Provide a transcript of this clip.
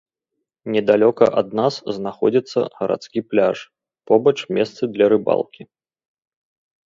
Недалёка ад нас знаходзіцца гарадскі пляж, побач месцы для рыбалкі.